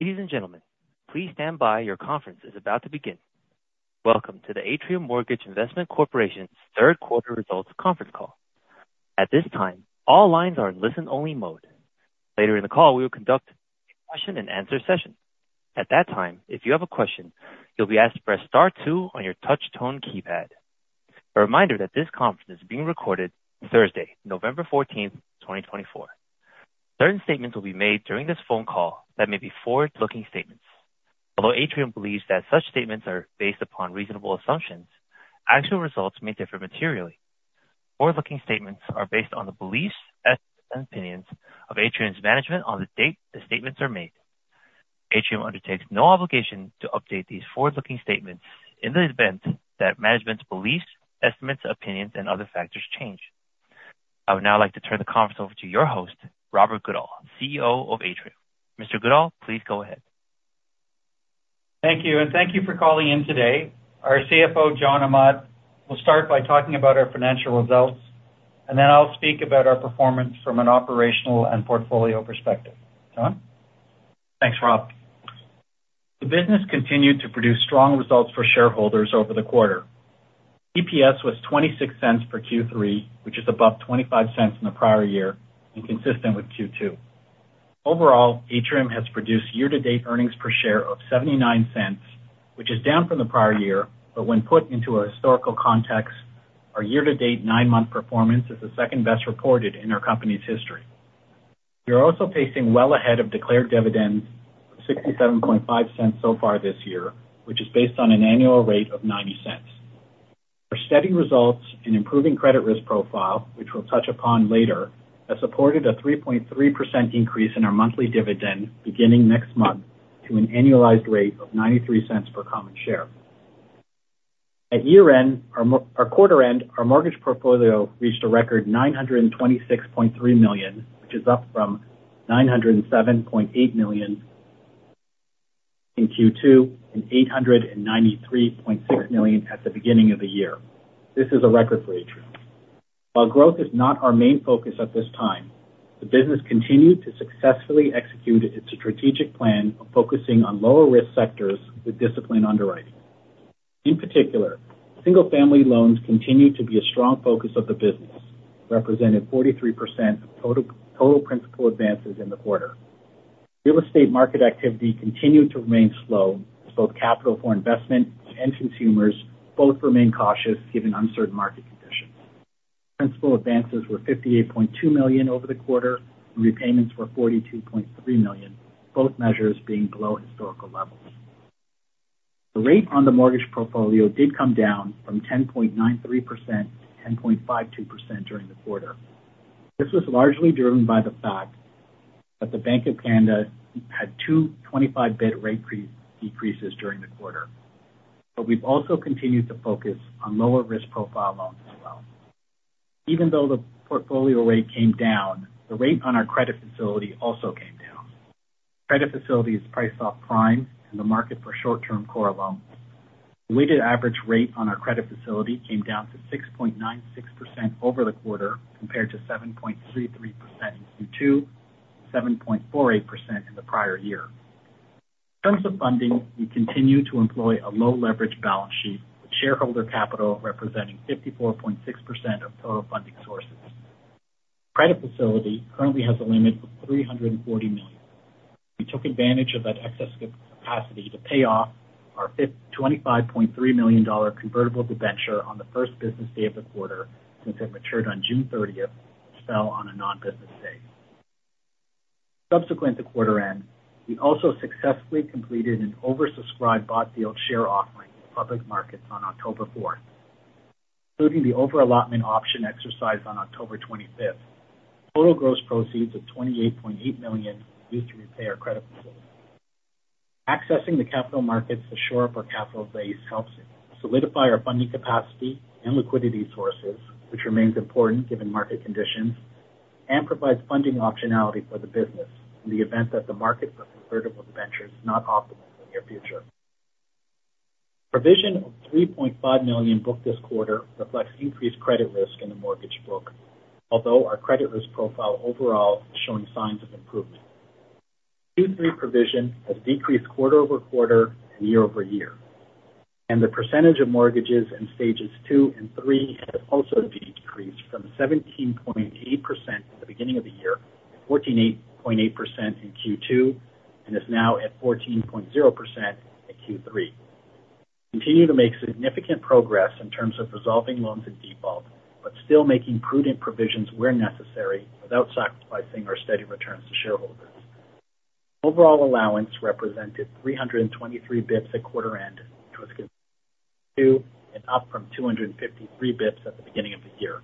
Ladies and gentlemen, please stand by. Your conference is about to begin. Welcome to the Atrium Mortgage Investment Corporation's third quarter results conference call. At this time, all lines are in listen-only mode. Later in the call, we will conduct a question-and-answer session. At that time, if you have a question, you'll be asked to press star two on your touch-tone keypad. A reminder that this conference is being recorded Thursday, November 14th, 2024. Certain statements will be made during this phone call that may be forward-looking statements. Although Atrium believes that such statements are based upon reasonable assumptions, actual results may differ materially. Forward-looking statements are based on the beliefs and opinions of Atrium's management on the date the statements are made. Atrium undertakes no obligation to update these forward-looking statements in the event that management's beliefs, estimates, opinions, and other factors change. I would now like to turn the conference over to your host, Robert Goodall, CEO of Atrium. Mr. Goodall, please go ahead. Thank you, and thank you for calling in today. Our CFO, John Ahmad, will start by talking about our financial results, and then I'll speak about our performance from an operational and portfolio perspective. John? Thanks, Rob. The business continued to produce strong results for shareholders over the quarter. EPS was 0.26 per Q3, which is above 0.25 in the prior year and consistent with Q2. Overall, Atrium has produced year-to-date earnings per share of 0.79, which is down from the prior year, but when put into a historical context, our year-to-date nine-month performance is the second best reported in our company's history. We are also pacing well ahead of declared dividends of 0.675 so far this year, which is based on an annual rate of 0.90. Our steady results and improving credit risk profile, which we'll touch upon later, have supported a 3.3% increase in our monthly dividend beginning next month to an annualized rate of 0.93 per common share. At year-end, our mortgage portfolio reached a record 926.3 million, which is up from 907.8 million in Q2 and 893.6 million at the beginning of the year. This is a record for Atrium. While growth is not our main focus at this time, the business continued to successfully execute its strategic plan of focusing on lower-risk sectors with disciplined underwriting. In particular, single-family loans continue to be a strong focus of the business, representing 43% of total principal advances in the quarter. Real estate market activity continued to remain slow, as both capital for investment and consumers both remain cautious given uncertain market conditions. Principal advances were 58.2 million over the quarter, and repayments were 42.3 million, both measures being below historical levels. The rate on the mortgage portfolio did come down from 10.93% to 10.52% during the quarter. This was largely driven by the fact that the Bank of Canada had two 25 basis point rate decreases during the quarter, but we've also continued to focus on lower-risk profile loans as well. Even though the portfolio rate came down, the rate on our credit facility also came down. Credit facility is priced off prime and the market for short-term core loans. The weighted average rate on our credit facility came down to 6.96% over the quarter compared to 7.33% in Q2, 7.48% in the prior year. In terms of funding, we continue to employ a low-leverage balance sheet, with shareholder capital representing 54.6% of total funding sources. Credit facility currently has a limit of 340 million. We took advantage of that excess capacity to pay off our 25.3 million dollar convertible debentures on the first business day of the quarter since it matured on June 30th, which fell on a non-business day. Subsequent to quarter end, we also successfully completed an oversubscribed bought deal share offering in public markets on October 4th, including the over-allotment option exercised on October 25th. Total gross proceeds of 28.8 million were used to repay credit facility. Accessing the capital markets to shore up our capital base helps solidify our funding capacity and liquidity sources, which remains important given market conditions and provides funding optionality for the business in the event that the market for convertible debentures is not optimal in the near future. Provision of 3.5 million booked this quarter reflects increased credit risk in the mortgage book, although our credit risk profile overall is showing signs of improvement. Q3 provision has decreased quarter-over-quarter and year-over-year, and the percentage of mortgages in Stages 2 and 3 has also decreased from 17.8% at the beginning of the year to 14.8% in Q2 and is now at 14.0% in Q3. We continue to make significant progress in terms of resolving loans in default, but still making prudent provisions where necessary without sacrificing our steady returns to shareholders. Overall allowance represented 323 basis points at quarter end, which was consistent with Q2 and up from 253 basis points at the beginning of the year.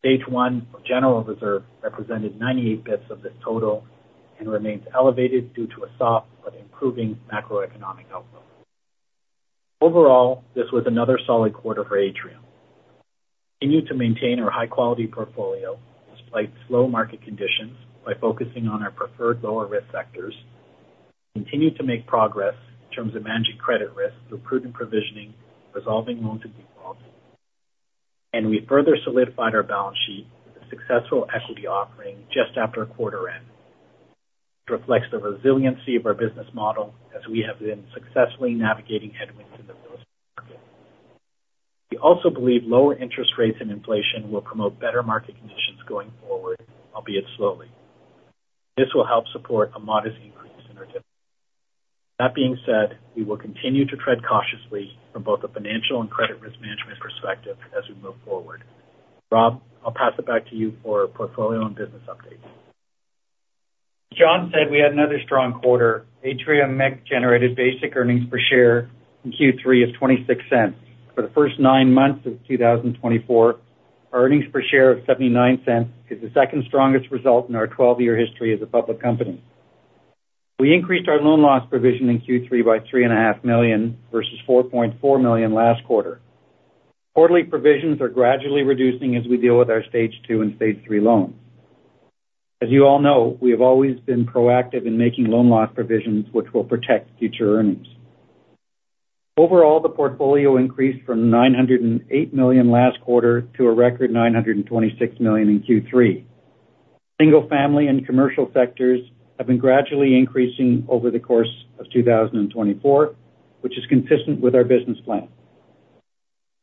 Stage 1 or general reserve represented 98 basis points of the total and remains elevated due to a soft but improving macroeconomic outlook. Overall, this was another solid quarter for Atrium. We continue to maintain our high-quality portfolio despite slow market conditions by focusing on our preferred lower-risk sectors. We continue to make progress in terms of managing credit risk through prudent provisioning, resolving loans in default, and we further solidified our balance sheet with a successful equity offering just after quarter end. This reflects the resiliency of our business model as we have been successfully navigating headwinds in the real estate market. We also believe lower interest rates and inflation will promote better market conditions going forward, albeit slowly. This will help support a modest increase in our dividends. That being said, we will continue to tread cautiously from both a financial and credit risk management perspective as we move forward. Rob, I'll pass it back to you for portfolio and business updates. As John said, we had another strong quarter. Atrium MIC generated basic earnings per share in Q3 of 0.26. For the first nine months of 2024, our earnings per share of 0.79 is the second strongest result in our 12-year history as a public company. We increased our loan loss provision in Q3 by 3.5 million versus 4.4 million last quarter. Quarterly provisions are gradually reducing as we deal with our Stage 2 and Stage 3 loans. As you all know, we have always been proactive in making loan loss provisions, which will protect future earnings. Overall, the portfolio increased from 908 million last quarter to a record 926 million in Q3. Single-family and commercial sectors have been gradually increasing over the course of 2024, which is consistent with our business plan.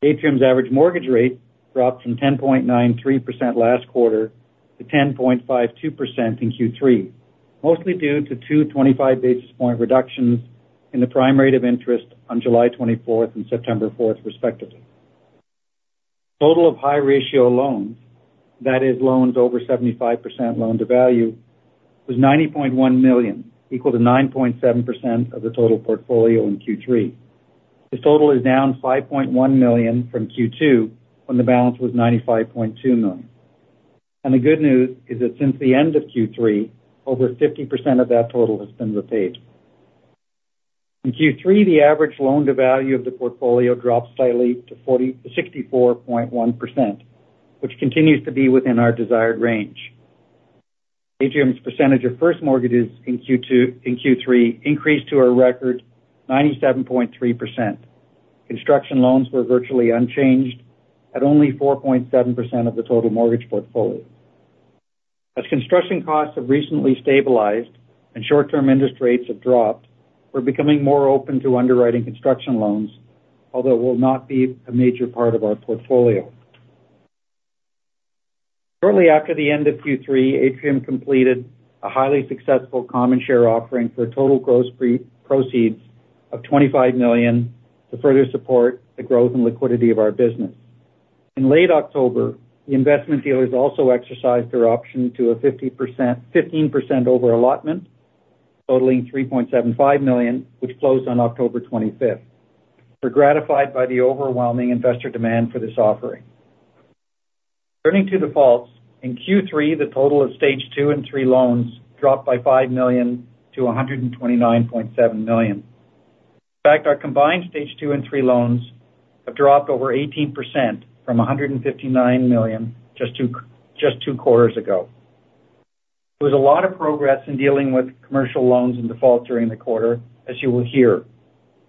Atrium's average mortgage rate dropped from 10.93% last quarter to 10.52% in Q3, mostly due to two 25 basis point reductions in the prime rate of interest on July 24th and September 4th, respectively. Total of high-ratio loans, that is, loans over 75% loan-to-value, was 90.1 million, equal to 9.7% of the total portfolio in Q3. This total is down 5.1 million from Q2 when the balance was 95.2 million. And the good news is that since the end of Q3, over 50% of that total has been repaid. In Q3, the average loan-to-value of the portfolio dropped slightly to 64.1%, which continues to be within our desired range. Atrium's percentage of first mortgages in Q3 increased to a record 97.3%. Construction loans were virtually unchanged at only 4.7% of the total mortgage portfolio. As construction costs have recently stabilized and short-term interest rates have dropped, we're becoming more open to underwriting construction loans, although it will not be a major part of our portfolio. Shortly after the end of Q3, Atrium completed a highly successful common share offering for total gross proceeds of 25 million to further support the growth and liquidity of our business. In late October, the investment dealers also exercised their option to a 15% over-allotment, totaling 3.75 million, which closed on October 25th. We're gratified by the overwhelming investor demand for this offering. Turning to defaults, in Q3, the total of Stage 2 and 3 loans dropped by 5 million to 129.7 million. In fact, our combined Stage 2 and 3 loans have dropped over 18% from 159 million just two quarters ago. There was a lot of progress in dealing with commercial loans in default during the quarter, as you will hear.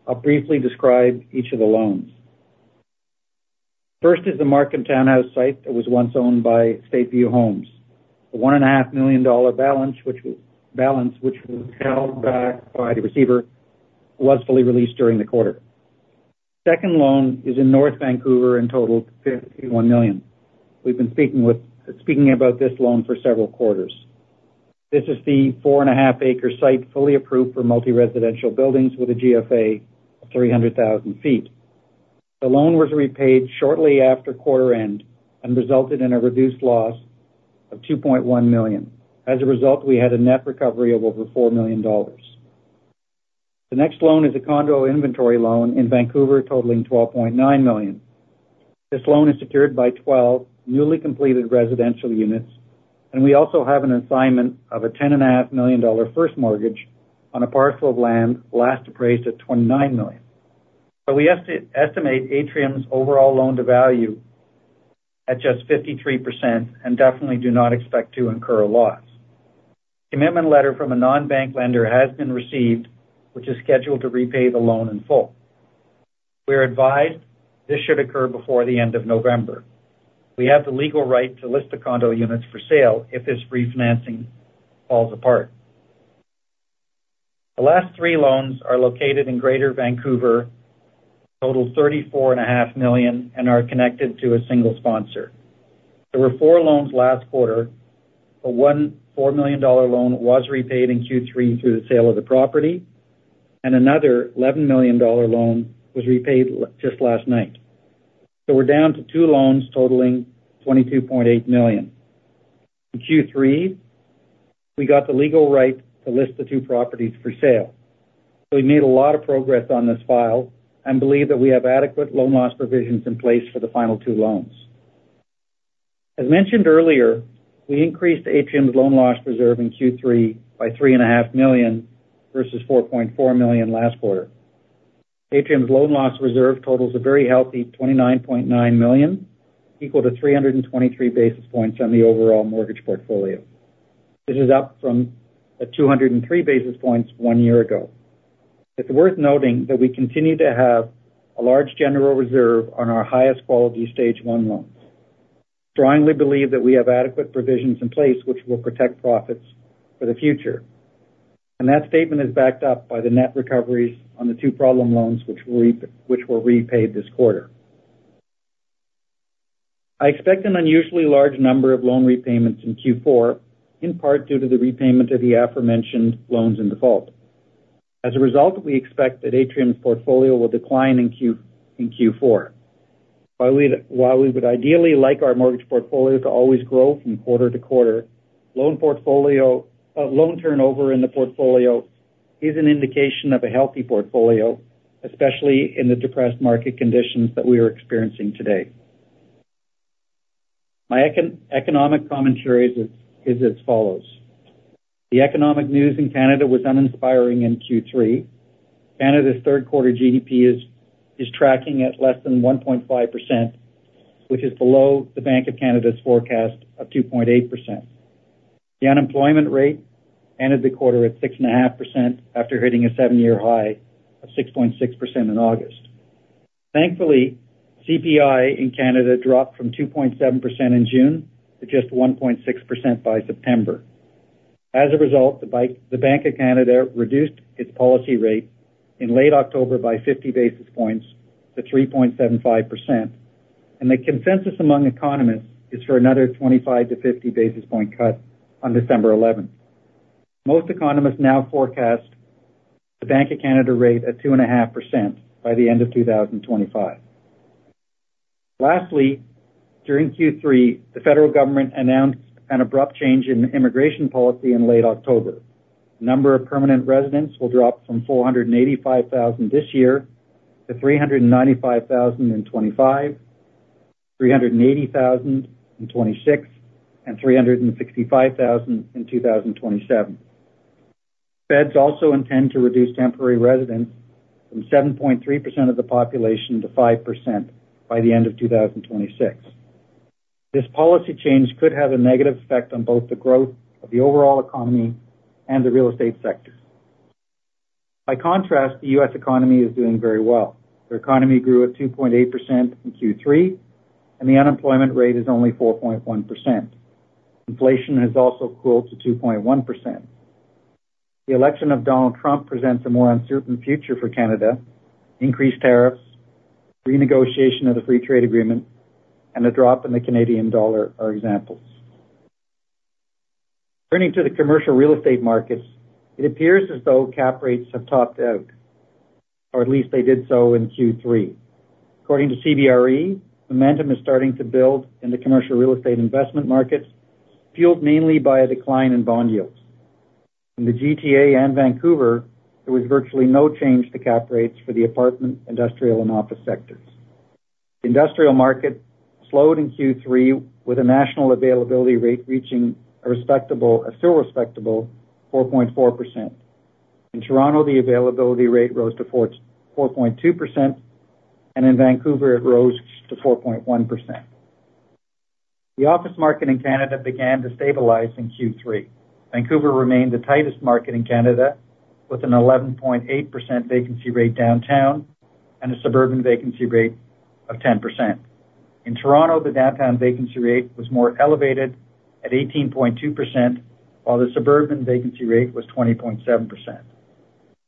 I'll briefly describe each of the loans. First is the Markham townhouse site that was once owned by StateView Homes. The 1.5 million dollar balance, which was held back by the receiver, was fully released during the quarter. The second loan is in North Vancouver and totaled 51 million. We've been speaking about this loan for several quarters. This is the 4.5-acre site fully approved for multi-residential buildings with a GFA of 300,000 sq ft. The loan was repaid shortly after quarter end and resulted in a reduced loss of 2.1 million. As a result, we had a net recovery of over 4 million dollars. The next loan is a condo inventory loan in Vancouver, totaling 12.9 million. This loan is secured by 12 newly completed residential units, and we also have an assignment of a 10.5 million dollar first mortgage on a parcel of land last appraised at 29 million. So we estimate Atrium's overall loan-to-value at just 53% and definitely do not expect to incur a loss. Commitment letter from a non-bank lender has been received, which is scheduled to repay the loan in full. We are advised this should occur before the end of November. We have the legal right to list the condo units for sale if this refinancing falls apart. The last three loans are located in Greater Vancouver, total 34.5 million, and are connected to a single sponsor. There were four loans last quarter. One 4 million dollar loan was repaid in Q3 through the sale of the property, and another 11 million dollar loan was repaid just last night. We're down to two loans totaling 22.8 million. In Q3, we got the legal right to list the two properties for sale. We've made a lot of progress on this file and believe that we have adequate loan loss provisions in place for the final two loans. As mentioned earlier, we increased Atrium's loan loss reserve in Q3 by 3.5 million versus 4.4 million last quarter. Atrium's loan loss reserve totals a very healthy 29.9 million, equal to 323 basis points on the overall mortgage portfolio. This is up from the 203 basis points one year ago. It's worth noting that we continue to have a large general reserve on our highest quality Stage 1 loans. We strongly believe that we have adequate provisions in place, which will protect profits for the future. That statement is backed up by the net recoveries on the two problem loans, which were repaid this quarter. I expect an unusually large number of loan repayments in Q4, in part due to the repayment of the aforementioned loans in default. As a result, we expect that Atrium's portfolio will decline in Q4. While we would ideally like our mortgage portfolio to always grow from quarter to quarter, loan turnover in the portfolio is an indication of a healthy portfolio, especially in the depressed market conditions that we are experiencing today. My economic commentary is as follows. The economic news in Canada was uninspiring in Q3. Canada's third quarter GDP is tracking at less than 1.5%, which is below the Bank of Canada's forecast of 2.8%. The unemployment rate ended the quarter at 6.5% after hitting a seven-year high of 6.6% in August. Thankfully, CPI in Canada dropped from 2.7% in June to just 1.6% by September. As a result, the Bank of Canada reduced its policy rate in late October by 50 basis points to 3.75%, and the consensus among economists is for another 25-50 basis point cut on December 11th. Most economists now forecast the Bank of Canada rate at 2.5% by the end of 2025. Lastly, during Q3, the federal government announced an abrupt change in immigration policy in late October. The number of permanent residents will drop from 485,000 this year to 395,000 in 2025, 380,000 in 2026, and 365,000 in 2027. Feds also intend to reduce temporary residents from 7.3% of the population to 5% by the end of 2026. This policy change could have a negative effect on both the growth of the overall economy and the real estate sectors. By contrast, the U.S. economy is doing very well. The economy grew at 2.8% in Q3, and the unemployment rate is only 4.1%. Inflation has also cooled to 2.1%. The election of Donald Trump presents a more uncertain future for Canada. Increased tariffs, renegotiation of the free trade agreement, and a drop in the Canadian dollar are examples. Turning to the commercial real estate markets, it appears as though cap rates have topped out, or at least they did so in Q3. According to CBRE, momentum is starting to build in the commercial real estate investment markets, fueled mainly by a decline in bond yields. In the GTA and Vancouver, there was virtually no change to cap rates for the apartment, industrial, and office sectors. The industrial market slowed in Q3, with a national availability rate reaching a still respectable 4.4%. In Toronto, the availability rate rose to 4.2%, and in Vancouver, it rose to 4.1%. The office market in Canada began to stabilize in Q3. Vancouver remained the tightest market in Canada, with an 11.8% vacancy rate downtown and a suburban vacancy rate of 10%. In Toronto, the downtown vacancy rate was more elevated at 18.2%, while the suburban vacancy rate was 20.7%.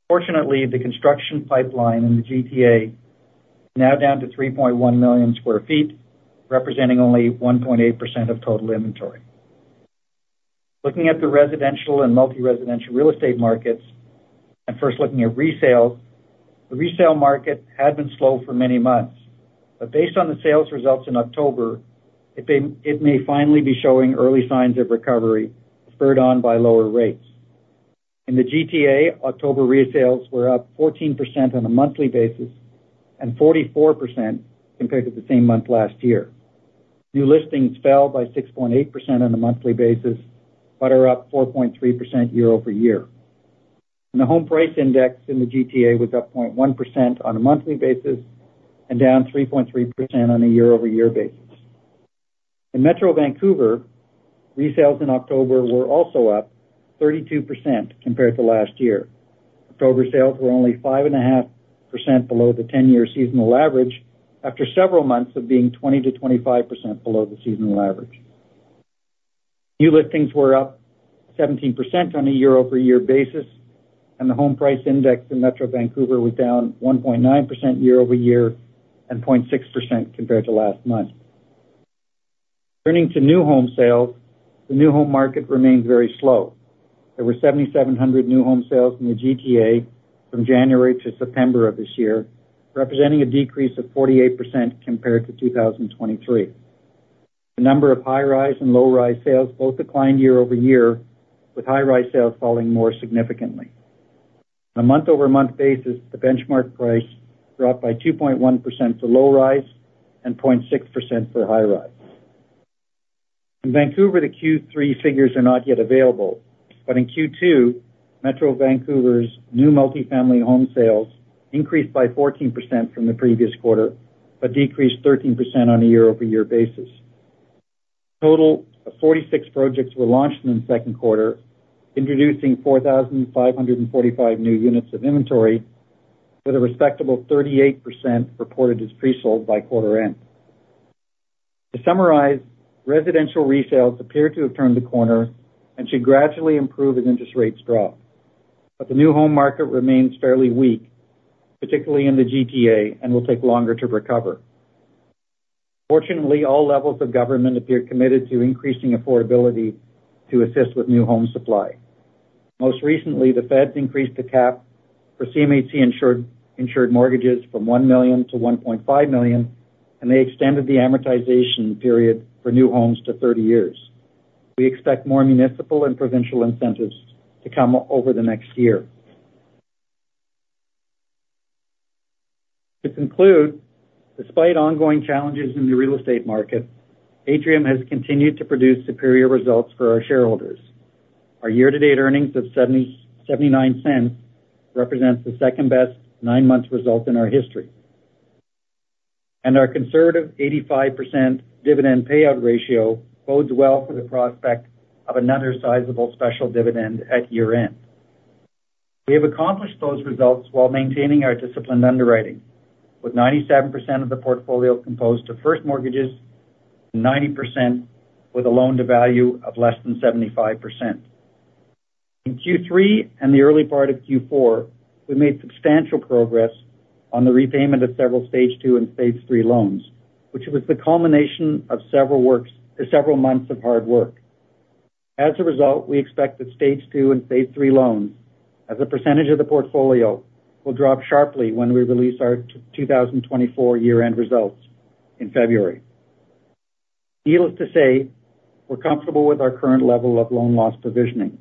Fortunately, the construction pipeline in the GTA is now down to 3.1 million sq ft, representing only 1.8% of total inventory. Looking at the residential and multi-residential real estate markets, and first looking at resales, the resale market had been slow for many months. But based on the sales results in October, it may finally be showing early signs of recovery, spurred on by lower rates. In the GTA, October resales were up 14% on a monthly basis and 44% compared to the same month last year. New listings fell by 6.8% on a monthly basis but are up 4.3% year-over-year, and the Home Price Index in the GTA was up 0.1% on a monthly basis and down 3.3% on a year-over-year basis. In Metro Vancouver, resales in October were also up 32% compared to last year. October sales were only 5.5% below the 10-year seasonal average after several months of being 20%-25% below the seasonal average. New listings were up 17% on a year-over-year basis, and the Home Price Index in Metro Vancouver was down 1.9% year-over-year and 0.6% compared to last month. Turning to new home sales, the new home market remained very slow. There were 7,700 new home sales in the GTA from January to September of this year, representing a decrease of 48% compared to 2023. The number of high-rise and low-rise sales both declined year-over-year, with high-rise sales falling more significantly. On a month-over-month basis, the benchmark price dropped by 2.1% for low-rise and 0.6% for high-rise. In Vancouver, the Q3 figures are not yet available, but in Q2, Metro Vancouver's new multifamily home sales increased by 14% from the previous quarter but decreased 13% on a year-over-year basis. A total of 46 projects were launched in the second quarter, introducing 4,545 new units of inventory, with a respectable 38% reported as presold by quarter end. To summarize, residential resales appear to have turned the corner and should gradually improve as interest rates drop. But the new home market remains fairly weak, particularly in the GTA, and will take longer to recover. Fortunately, all levels of government appear committed to increasing affordability to assist with new home supply. Most recently, the Feds increased the cap for CMHC-insured mortgages from 1 million to 1.5 million, and they extended the amortization period for new homes to 30 years. We expect more municipal and provincial incentives to come over the next year. To conclude, despite ongoing challenges in the real estate market, Atrium has continued to produce superior results for our shareholders. Our year-to-date earnings of 0.79 represent the second-best nine-month result in our history. And our conservative 85% dividend payout ratio bodes well for the prospect of another sizable special dividend at year-end. We have accomplished those results while maintaining our disciplined underwriting, with 97% of the portfolio composed of first mortgages and 90% with a loan-to-value of less than 75%. In Q3 and the early part of Q4, we made substantial progress on the repayment of several Stage 2 and Stage 3 loans, which was the culmination of several months of hard work. As a result, we expect that Stage 2 and Stage 3 loans, as a percentage of the portfolio, will drop sharply when we release our 2024 year-end results in February. Needless to say, we're comfortable with our current level of loan loss provisioning.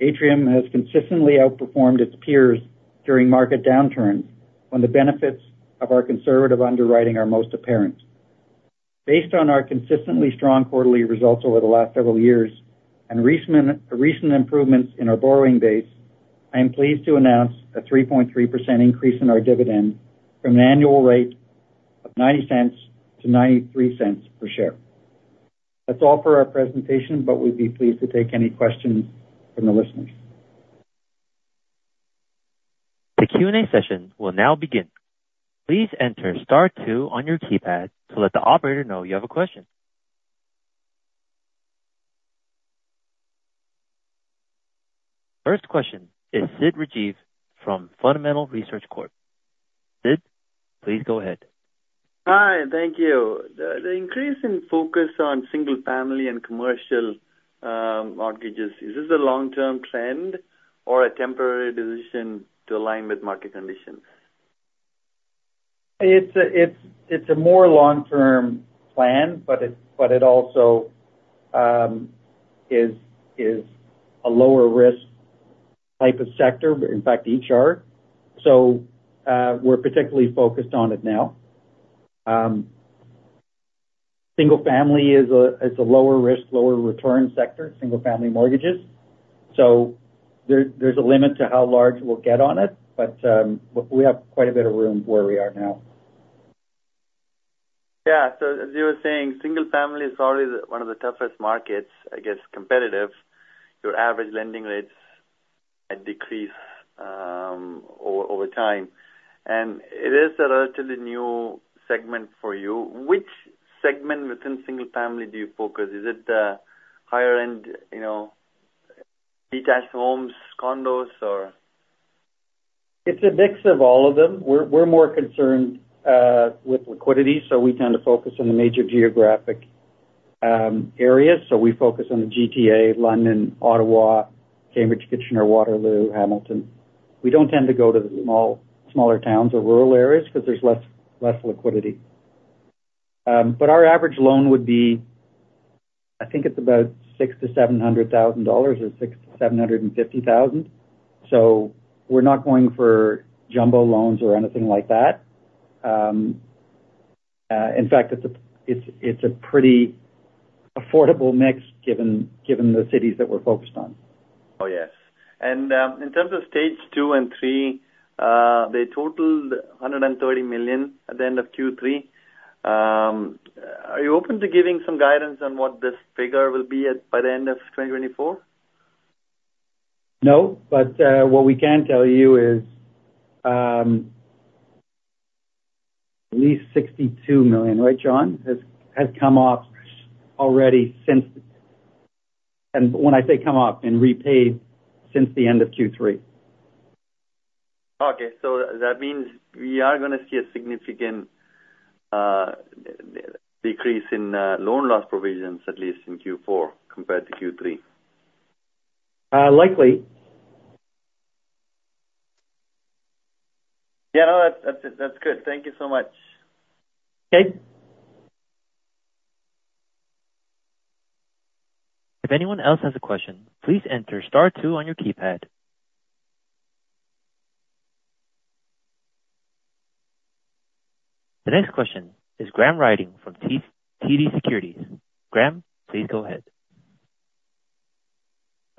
Atrium has consistently outperformed its peers during market downturns when the benefits of our conservative underwriting are most apparent. Based on our consistently strong quarterly results over the last several years and recent improvements in our borrowing base, I am pleased to announce a 3.3% increase in our dividend from an annual rate of 0.90 to 0.93 per share. That's all for our presentation, but we'd be pleased to take any questions from the listeners. The Q&A session will now begin. Please enter star two on your keypad to let the operator know you have a question. First question is Sid Rajeev from Fundamental Research Corp. Sid, please go ahead. Hi, thank you. The increase in focus on single-family and commercial mortgages, is this a long-term trend or a temporary decision to align with market conditions? It's a more long-term plan, but it also is a lower-risk type of sector, in fact, high-ratio. So we're particularly focused on it now. Single-family is a lower-risk, lower-return sector, single-family mortgages. So there's a limit to how large we'll get on it, but we have quite a bit of room where we are now. Yeah. So as you were saying, single-family is always one of the toughest markets, I guess, competitive. Your average lending rates decrease over time. And it is a relatively new segment for you. Which segment within single-family do you focus? Is it the higher-end detached homes, condos, or? It's a mix of all of them. We're more concerned with liquidity, so we tend to focus on the major geographic areas, so we focus on the GTA, London, Ottawa, Cambridge, Kitchener, Waterloo, Hamilton. We don't tend to go to the smaller towns or rural areas because there's less liquidity, but our average loan would be, I think it's about 600,000-700,000 dollars or 600,000-750,000, so we're not going for jumbo loans or anything like that. In fact, it's a pretty affordable mix given the cities that we're focused on. Oh, yes, and in terms of Stage 2 and 3, they totaled 130 million at the end of Q3. Are you open to giving some guidance on what this figure will be by the end of 2024? No. But what we can tell you is at least 62 million, right, John, has come off already since—and when I say come off, and repaid since the end of Q3. Okay. So that means we are going to see a significant decrease in loan loss provisions, at least in Q4 compared to Q3. Likely. Yeah. No, that's good. Thank you so much. Okay. If anyone else has a question, please enter star two on your keypad. The next question is Graham Ryding from TD Securities. Graham, please go ahead.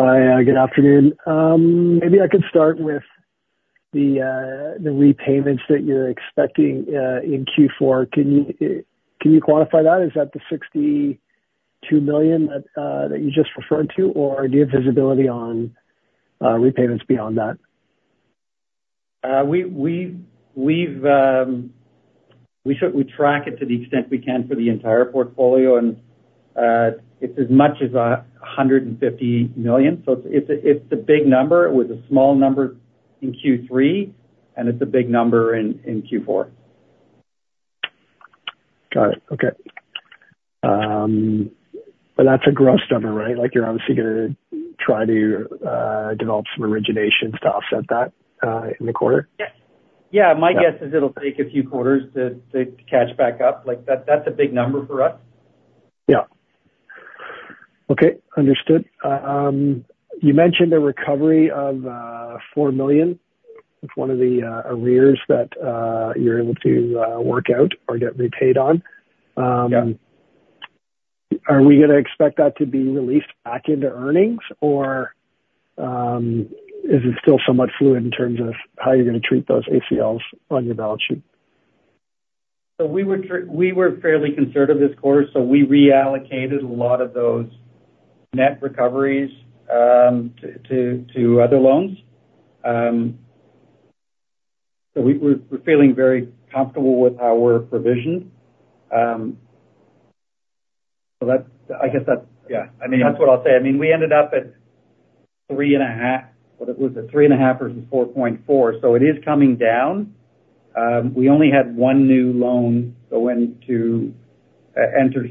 Hi. Good afternoon. Maybe I could start with the repayments that you're expecting in Q4. Can you quantify that? Is that the 62 million that you just referred to, or do you have visibility on repayments beyond that? We track it to the extent we can for the entire portfolio, and it's as much as 150 million. So it's a big number with a small number in Q3, and it's a big number in Q4. Got it. Okay. But that's a gross number, right? You're obviously going to try to develop some origination to offset that in the quarter? Yeah. My guess is it'll take a few quarters to catch back up. That's a big number for us. Yeah. Okay. Understood. You mentioned a recovery of 4 million with one of the arrears that you're able to work out or get repaid on. Are we going to expect that to be released back into earnings, or is it still somewhat fluid in terms of how you're going to treat those ACLs on your balance sheet? We were fairly conservative this quarter, so we reallocated a lot of those net recoveries to other loans. We're feeling very comfortable with how we're provisioned. I guess that's, yeah. I mean, that's what I'll say. I mean, we ended up at 3.5—what was it? 3.5 versus 4.4. It is coming down. We only had one new loan go into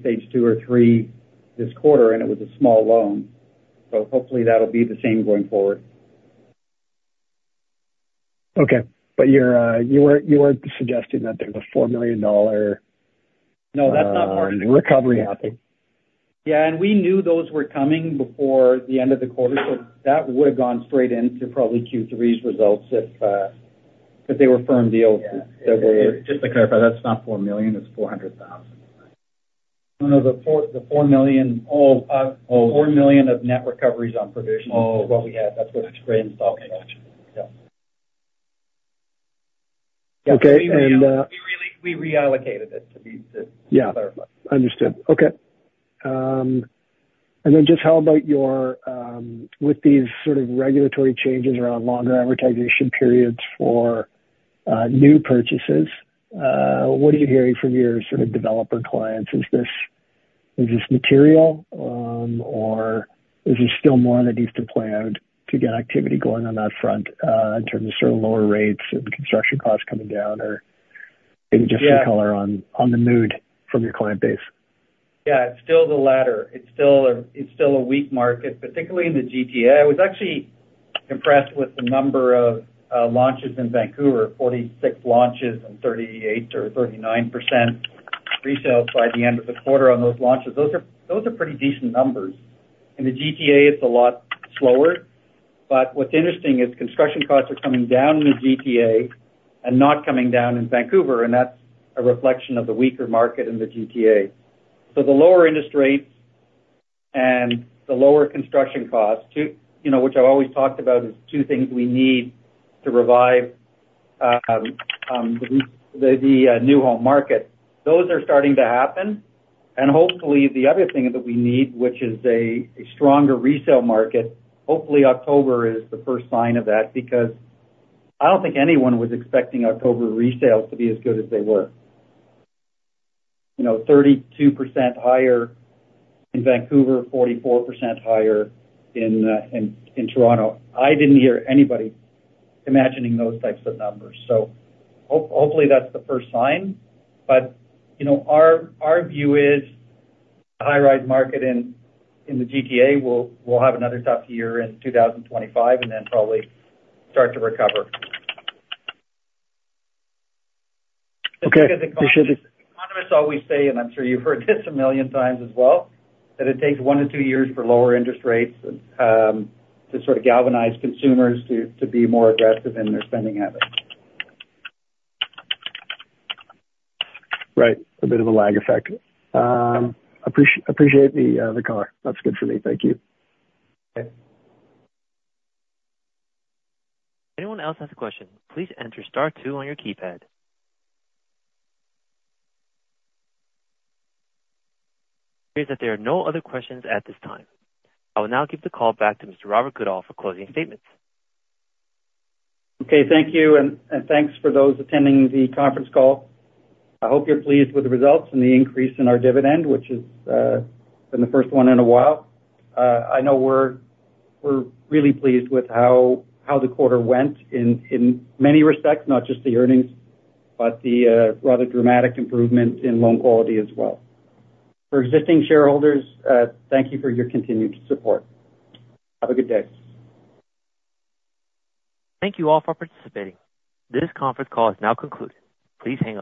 Stage 2 or 3 this quarter, and it was a small loan. Hopefully, that'll be the same going forward. Okay. But you weren't suggesting that there's a 4 million dollar recovery happening? No. That's not possible. Yeah. And we knew those were coming before the end of the quarter, so that would have gone straight into probably Q3's results if they were firm deals that were. Just to clarify, that's not 4 million. It's 400,000. No. No. The 4 million, oh, 4 million of net recoveries on provision is what we had. That's what Graham's talking about. Yeah. Okay. And. Yeah. We reallocated it to clarify. Yeah. Understood. Okay. And then just how about with these sort of regulatory changes around longer amortization periods for new purchases? What are you hearing from your sort of developer clients? Is this material, or is there still more that needs to play out to get activity going on that front in terms of sort of lower rates and construction costs coming down, or maybe just a color on the mood from your client base? Yeah. It's still the latter. It's still a weak market, particularly in the GTA. I was actually impressed with the number of launches in Vancouver: 46 launches and 38% or 39% resales by the end of the quarter on those launches. Those are pretty decent numbers. In the GTA, it's a lot slower, but what's interesting is construction costs are coming down in the GTA and not coming down in Vancouver, and that's a reflection of the weaker market in the GTA, so the lower interest rates and the lower construction costs, which I've always talked about as two things we need to revive the new home market, those are starting to happen. Hopefully, the other thing that we need, which is a stronger resale market, hopefully, October is the first sign of that because I don't think anyone was expecting October resales to be as good as they were: 32% higher in Vancouver, 44% higher in Toronto. I didn't hear anybody imagining those types of numbers. Hopefully, that's the first sign. Our view is the high-rise market in the GTA will have another tough year in 2025 and then probably start to recover. Okay. You should be. Economists always say, and I'm sure you've heard this a million times as well, that it takes one to two years for lower interest rates to sort of galvanize consumers to be more aggressive in their spending habits. Right. A bit of a lag effect. Appreciate the color. That's good for me. Thank you. Okay. Anyone else has a question, please enter star two on your keypad. It appears that there are no other questions at this time. I will now give the call back to Mr. Robert Goodall for closing statements. Okay. Thank you. And thanks for those attending the conference call. I hope you're pleased with the results and the increase in our dividend, which has been the first one in a while. I know we're really pleased with how the quarter went in many respects, not just the earnings, but the rather dramatic improvement in loan quality as well. For existing shareholders, thank you for your continued support. Have a good day. Thank you all for participating. This conference call is now concluded. Please hang.